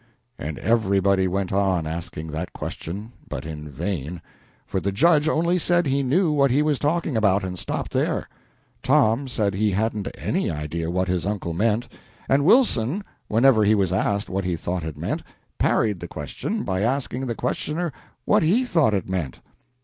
And everybody went on asking that question, but in vain; for the Judge only said he knew what he was talking about, and stopped there; Tom said he hadn't any idea what his uncle meant, and Wilson, whenever he was asked what he thought it meant, parried the question by asking the questioner what he thought it meant.